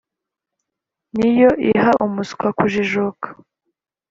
Ni yo iha umuswa kujijuka,